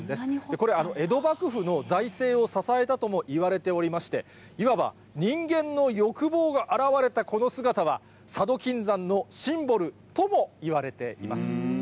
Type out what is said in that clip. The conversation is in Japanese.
これ、江戸幕府の財政を支えたともいわれておりまして、いわば、人間の欲望が表れたこの姿は、佐渡金山のシンボルとも言われています。